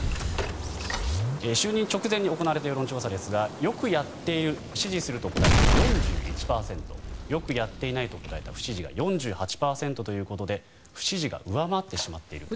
就任直前に行われた世論調査ですがよくやっている支持すると答えた人が４１％よくやっていないと答えた不支持が４８％ということで不支持が上回ってしまっていると。